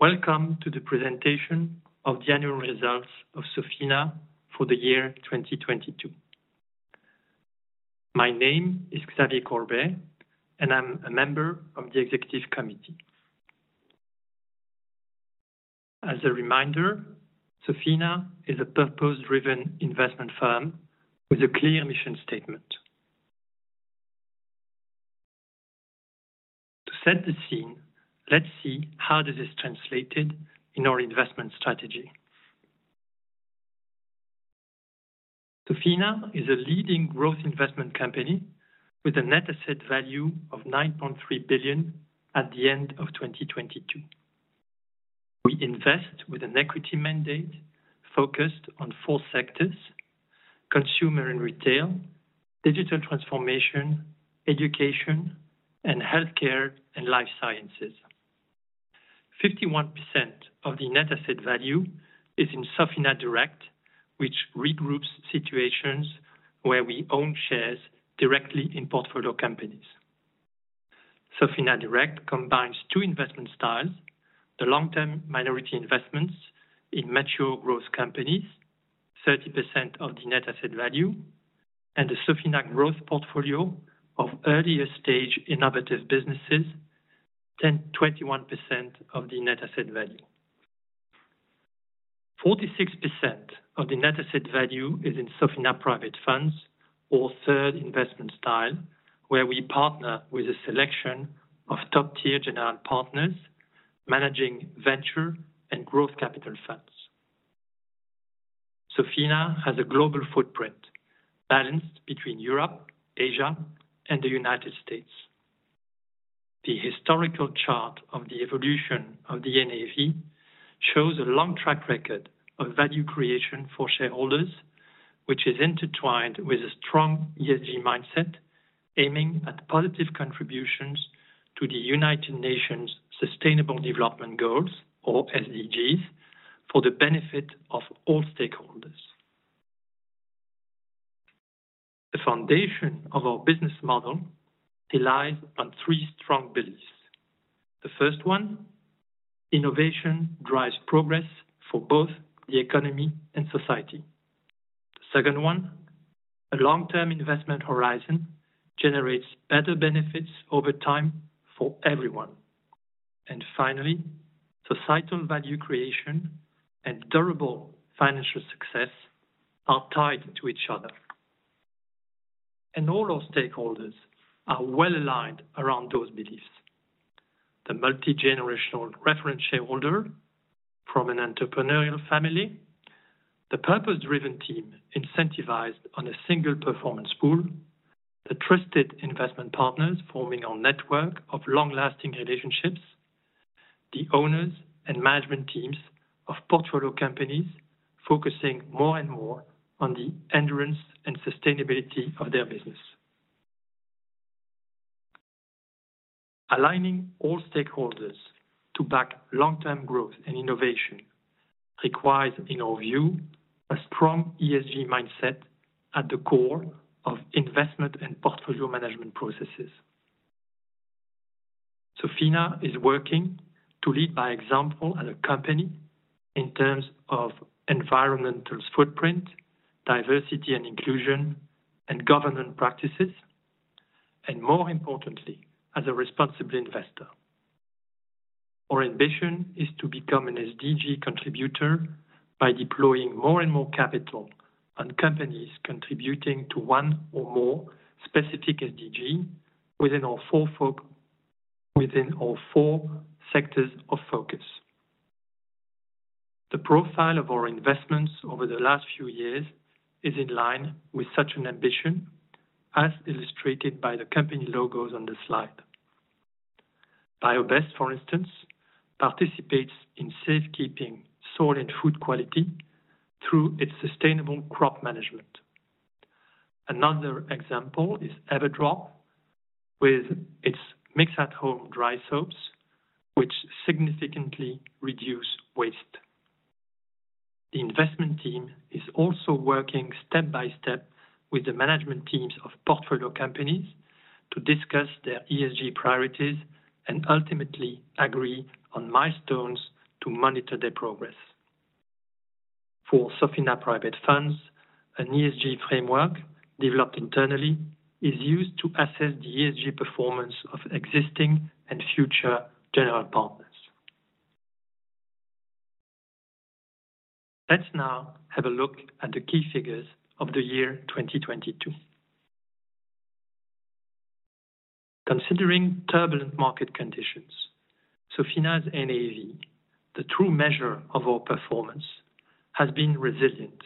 Welcome to the presentation of the annual results of Sofina for the year 2022. My name is Xavier Coirbay, and I'm a member of the executive committee. As a reminder, Sofina is a purpose-driven investment firm with a clear mission statement. To set the scene, let's see how this is translated in our investment strategy. Sofina is a leading growth investment company with a net asset value of 9.3 billion at the end of 2022. We invest with an equity mandate focused on four sectors: consumer and retail, digital transformation, education, and healthcare and life sciences. 51% of the net asset value is in Sofina Direct, which regroups situations where we own shares directly in portfolio companies. Sofina Direct combines two investment styles. The long-term minority investments in mature growth companies, 30% of the net asset value. The Sofina Growth portfolio of earlier stage innovative businesses, 21% of the net asset value. 46% of the net asset value is in Sofina Private Funds or third investment style, where we partner with a selection of top-tier General Partners managing venture and growth capital funds. Sofina has a global footprint balanced between Europe, Asia, and the United States. The historical chart of the evolution of the NAV shows a long track record of value creation for shareholders, which is intertwined with a strong ESG mindset, aiming at positive contributions to the United Nations Sustainable Development Goals, or SDGs, for the benefit of all stakeholders. The foundation of our business model relies on three strong beliefs. The first one, innovation drives progress for both the economy and society. The second one, a long-term investment horizon generates better benefits over time for everyone. Finally, societal value creation and durable financial success are tied to each other. All our stakeholders are well aligned around those beliefs. The multi-generational reference shareholder from an entrepreneurial family, the purpose-driven team incentivized on a single performance pool, the trusted investment partners forming our network of long-lasting relationships, the owners and management teams of portfolio companies focusing more and more on the endurance and sustainability of their business. Aligning all stakeholders to back long-term growth and innovation requires, in our view, a strong ESG mindset at the core of investment and portfolio management processes. Sofina is working to lead by example as a company in terms of environmental footprint, diversity and inclusion, and governance practices, and more importantly, as a responsible investor. Our ambition is to become an SDG contributor by deploying more and more capital on companies contributing to one or more specific SDG within our four sectors of focus. The profile of our investments over the last few years is in line with such an ambition, as illustrated by the company logos on the slide. Biobest, for instance, participates in safekeeping soil and food quality through its sustainable crop management. Another example is everdrop, with its mix-at-home dry soaps, which significantly reduce waste. The investment team is also working step by step with the management teams of portfolio companies to discuss their ESG priorities and ultimately agree on milestones to monitor their progress. For Sofina Private Funds, an ESG framework developed internally is used to assess the ESG performance of existing and future General Partners. Let's now have a look at the key figures of the year 2022. Considering turbulent market conditions, Sofina's NAV, the true measure of our performance, has been resilient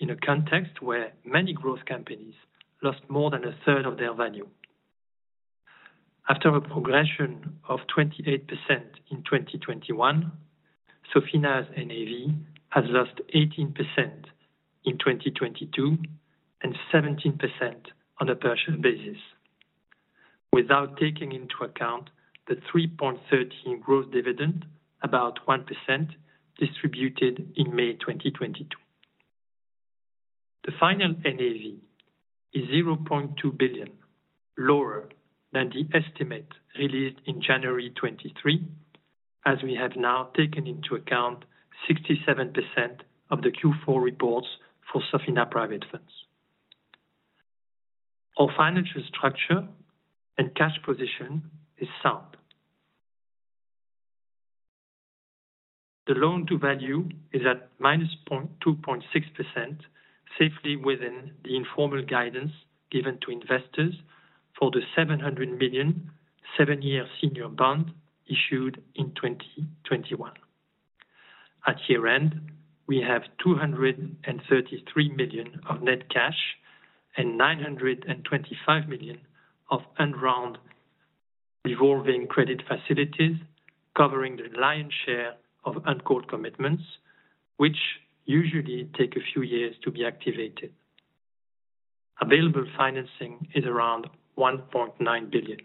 in a context where many growth companies lost more than 1/3 of their value. After a progression of 28% in 2021, Sofina's NAV has lost 18% in 2022 and 17% on a partial basis. Without taking into account the 3.13 growth dividend, about 1% distributed in May 2022. The final NAV is 0.2 billion lower than the estimate released in January 2023, as we have now taken into account 67% of the Q4 reports for Sofina Private Funds. Our financial structure and cash position is sound. The loan-to-value is at -0.26% safely within the informal guidance given to investors for the 700 million, seven-year senior bond issued in 2021. At year-end, we have 233 million of net cash and 925 million of undrawn revolving credit facilities covering the lion's share of uncalled commitments, which usually take a few years to be activated. Available financing is around 1.9 billion.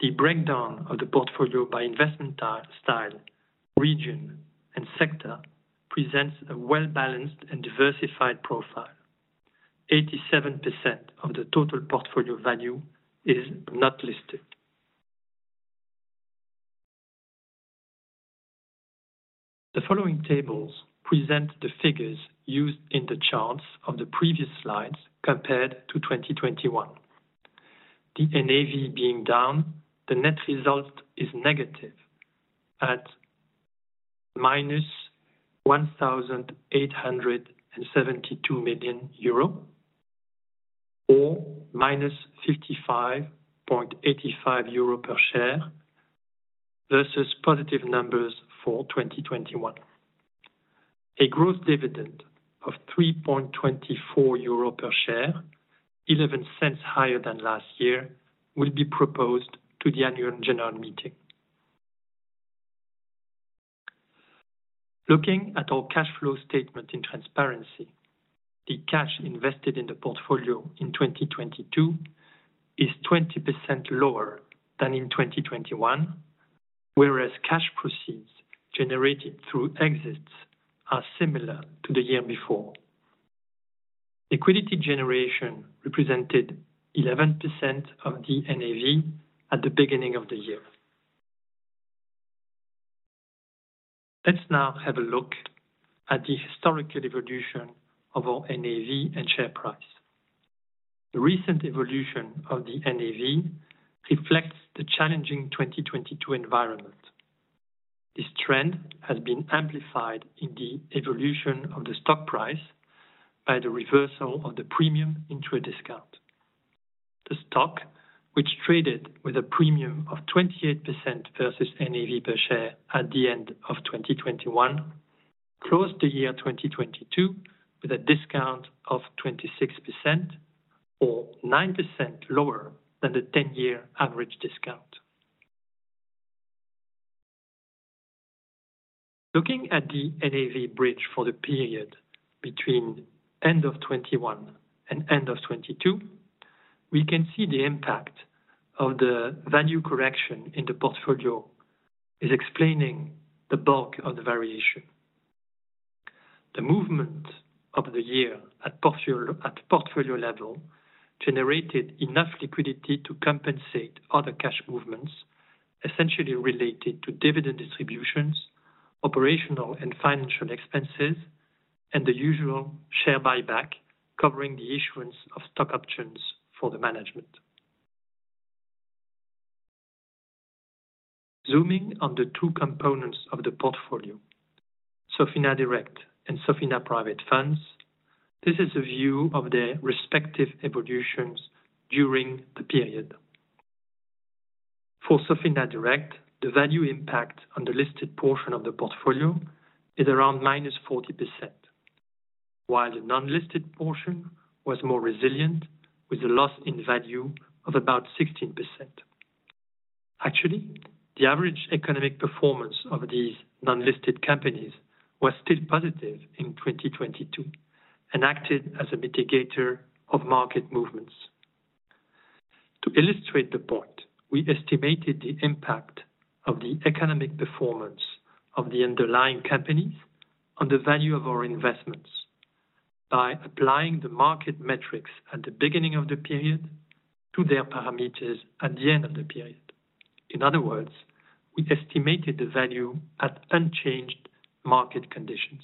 The breakdown of the portfolio by investment style, region, and sector presents a well-balanced and diversified profile. 87% of the total portfolio value is not listed. The following tables present the figures used in the charts on the previous slides compared to 2021. The NAV being down, the net result is negative at -1,872 million euro, or -55.85 euro per share versus positive numbers for 2021. A growth dividend of 3.24 euro per share, 0.11 higher than last year, will be proposed to the annual general meeting. Looking at our cash flow statement in transparency, the cash invested in the portfolio in 2022 is 20% lower than in 2021, whereas cash proceeds generated through exits are similar to the year before. Liquidity generation represented 11% of the NAV at the beginning of the year. Let's now have a look at the historical evolution of our NAV and share price. The recent evolution of the NAV reflects the challenging 2022 environment. This trend has been amplified in the evolution of the stock price by the reversal of the premium into a discount. The stock, which traded with a premium of 28% versus NAV per share at the end of 2021, closed the year 2022 with a discount of 26% or 9% lower than the 10-year average discount. Looking at the NAV bridge for the period between end of 2021 and end of 2022, we can see the impact of the value correction in the portfolio is explaining the bulk of the variation. The movement of the year at portfolio level generated enough liquidity to compensate other cash movements, essentially related to dividend distributions, operational and financial expenses, and the usual share buyback covering the issuance of stock options for the management. Zooming on the two components of the portfolio, Sofina Direct and Sofina Private Funds, this is a view of their respective evolutions during the period. For Sofina Direct, the value impact on the listed portion of the portfolio is around -40%, while the non-listed portion was more resilient with a loss in value of about 16%. Actually, the average economic performance of these non-listed companies was still positive in 2022 and acted as a mitigator of market movements. To illustrate the point, we estimated the impact of the economic performance of the underlying companies on the value of our investments by applying the market metrics at the beginning of the period to their parameters at the end of the period. In other words, we estimated the value at unchanged market conditions.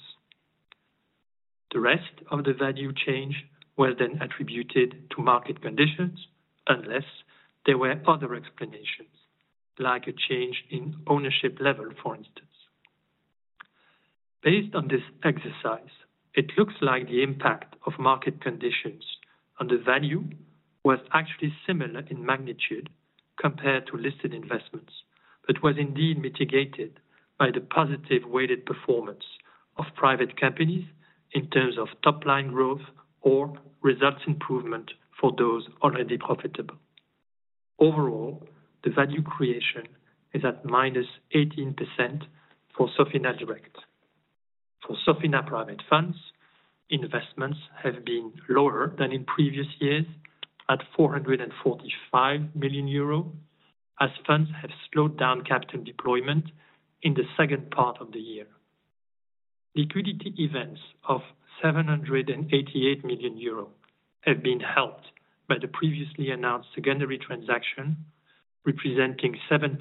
The rest of the value change was attributed to market conditions, unless there were other explanations, like a change in ownership level, for instance. Based on this exercise, it looks like the impact of market conditions on the value was actually similar in magnitude compared to listed investments, but was indeed mitigated by the positive weighted performance of private companies in terms of top-line growth or results improvement for those already profitable. Overall, the value creation is at -18% for Sofina Direct. For Sofina Private Funds, investments have been lower than in previous years at 445 million euro as funds have slowed down capital deployment in the second part of the year. Liquidity events of 788 million euro have been helped by the previously announced secondary transaction, representing 7%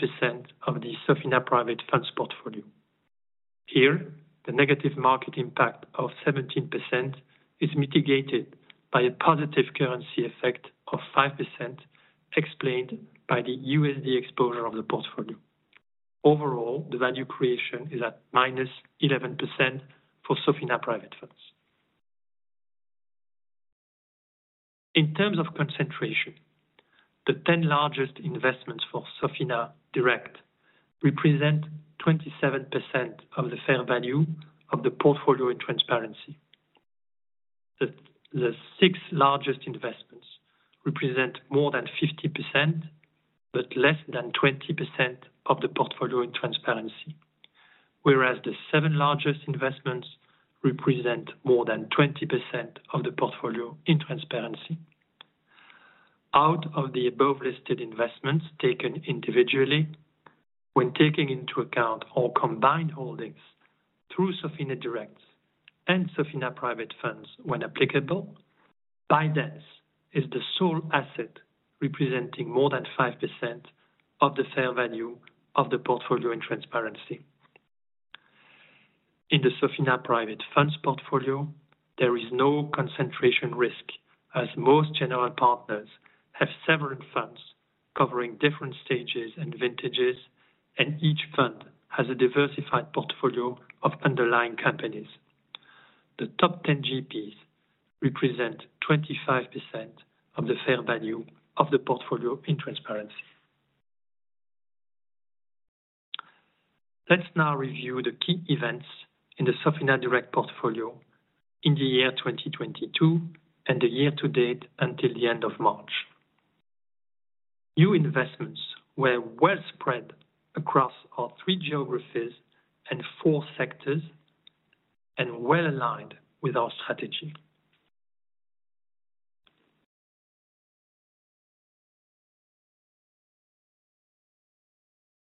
of the Sofina Private Funds portfolio. Here, the negative market impact of 17% is mitigated by a positive currency effect of 5% explained by the USD exposure of the portfolio. Overall, the value creation is at -11% for Sofina Private Funds. In terms of concentration, the 10 largest investments for Sofina Direct represent 27% of the fair value of the portfolio in transparency. The six largest investments represent more than 50%, but less than 20% of the portfolio in transparency, whereas the seven largest investments represent more than 20% of the portfolio in transparency. Out of the above-listed investments taken individually when taking into account all combined holdings through Sofina Direct and Sofina Private Funds when applicable, ByteDance is the sole asset representing more than 5% of the fair value of the portfolio in transparency. In the Sofina Private Funds portfolio, there is no concentration risk as most General Partners have several funds covering different stages and vintages, and each fund has a diversified portfolio of underlying companies. The top 10 GPs represent 25% of the fair value of the portfolio in transparency. Let's now review the key events in the Sofina Direct portfolio in the year 2022 and the year-to-date until the end of March. New investments were well spread across our three geographies and four sectors and well-aligned with our strategy.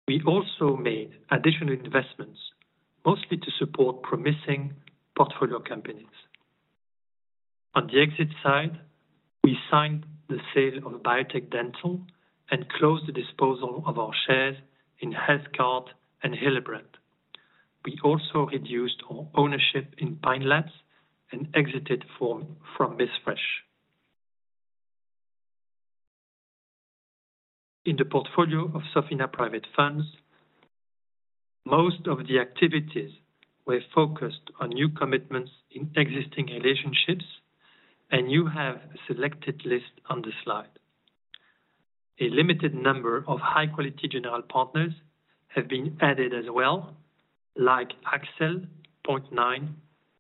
We also made additional investments, mostly to support promising portfolio companies. On the exit side, we signed the sale of Biotech Dental and closed the disposal of our shares in HealthKart and Hillebrand. We also reduced our ownership in Pine Labs and exited from Missfresh. In the portfolio of Sofina Private Funds, most of the activities were focused on new commitments in existing relationships. You have a selected list on the slide. A limited number of high-quality General Partners have been added as well, like Accel, Point Nine,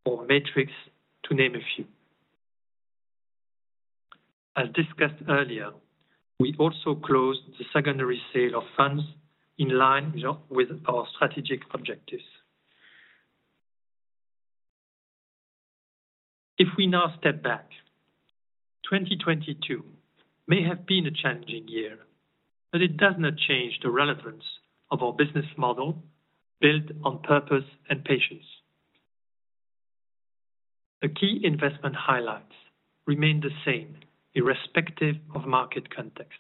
or Matrix to name a few. As discussed earlier, we also closed the secondary sale of funds in line with our strategic objectives. If we now step back, 2022 may have been a challenging year, it does not change the relevance of our business model built on purpose and patience. The key investment highlights remain the same irrespective of market context.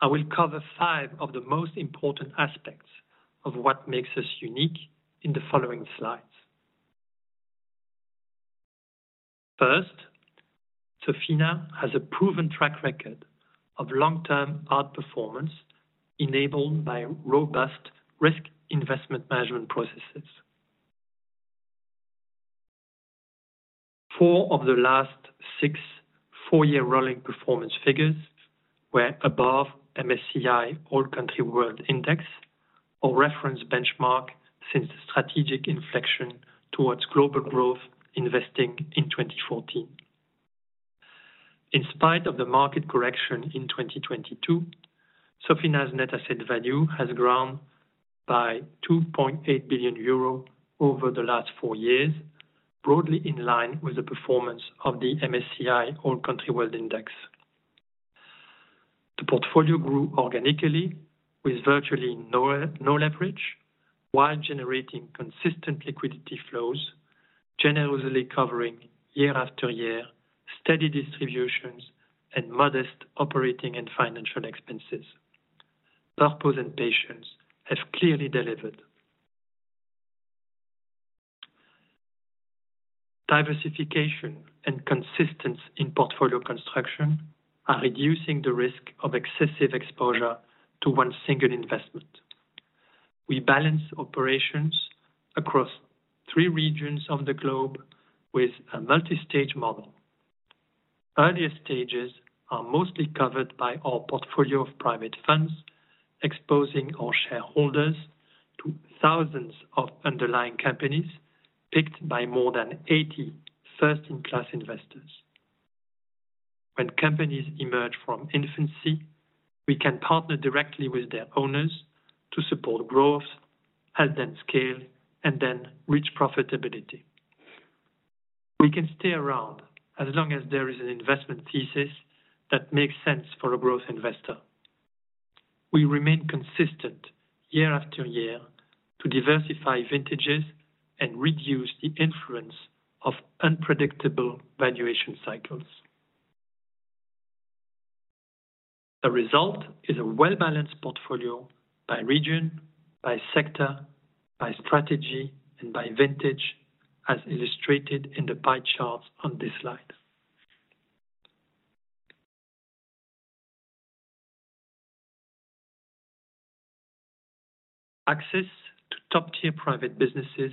I will cover five of the most important aspects of what makes us unique in the following slides. First, Sofina has a proven track record of long-term outperformance enabled by robust risk investment management processes. Four of the last six four-year rolling performance figures were above MSCI All Country World Index or reference benchmark since the strategic inflection towards global growth investing in 2014. In spite of the market correction in 2022, Sofina's net asset value has grown by 2.8 billion euro over the last four years, broadly in line with the performance of the MSCI All Country World Index. The portfolio grew organically with virtually no leverage while generating consistent liquidity flows, generously covering year after year steady distributions and modest operating and financial expenses. Purpose and patience have clearly delivered. Diversification and consistency in portfolio construction are reducing the risk of excessive exposure to one single investment. We balance operations across three regions of the globe with a multi-stage model. Earlier stages are mostly covered by our portfolio of private funds, exposing our shareholders to thousands of underlying companies picked by more than 80 first-in-class investors. When companies emerge from infancy, we can partner directly with their owners to support growth, help them scale, and then reach profitability. We can stay around as long as there is an investment thesis that makes sense for a growth investor. We remain consistent year after year to diversify vintages and reduce the influence of unpredictable valuation cycles. The result is a well-balanced portfolio by region, by sector, by strategy, and by vintage, as illustrated in the pie chart on this slide. Access to top-tier private businesses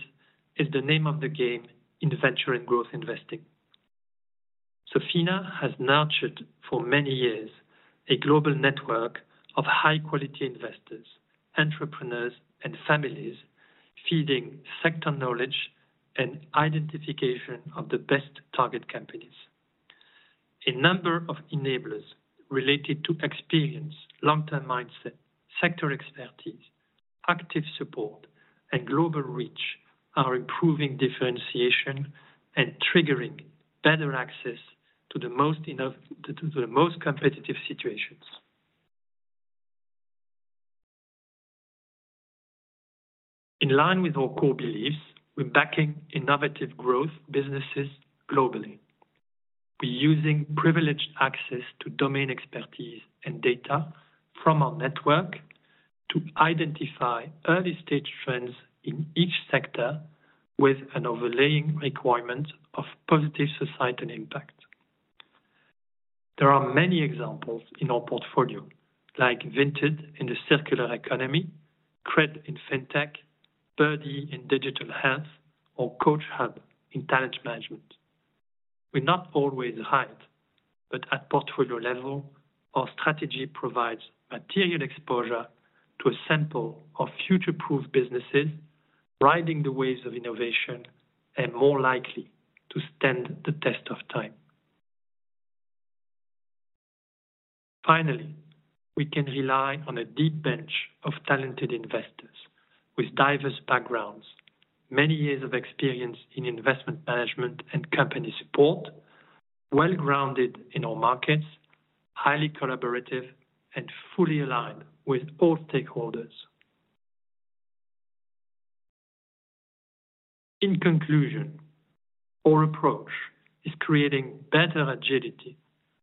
is the name of the game in venture and growth investing. Sofina has nurtured for many years a global network of high-quality investors, entrepreneurs, and families feeding sector knowledge and identification of the best target companies. A number of enablers related to experience, long-term mindset, sector expertise, active support, and global reach are improving differentiation and triggering better access to the most competitive situations. In line with our core beliefs, we're backing innovative growth businesses globally. We're using privileged access to domain expertise and data from our network to identify early-stage trends in each sector with an overlaying requirement of positive societal impact. There are many examples in our portfolio, like Vinted in the circular economy, CRED in Fintech, Birdie in digital health, or CoachHub in talent management. We're not always right, but at portfolio level, our strategy provides material exposure to a sample of future-proof businesses riding the waves of innovation and more likely to stand the test of time. We can rely on a deep bench of talented investors with diverse backgrounds, many years of experience in investment management and company support, well-grounded in our markets, highly collaborative, and fully aligned with all stakeholders. In conclusion, our approach is creating better agility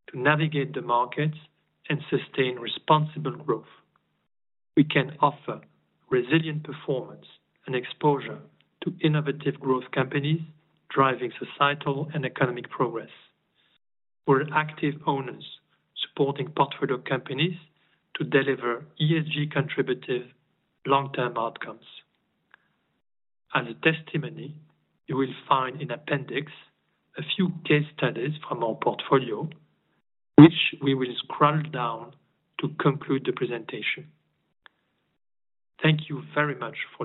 to navigate the markets and sustain responsible growth. We can offer resilient performance and exposure to innovative growth companies driving societal and economic progress. We're active owners supporting portfolio companies to deliver ESG contributive long-term outcomes. As a testimony, you will find in appendix a few case studies from our portfolio, which we will scroll down to conclude the presentation. Thank you very much for listening.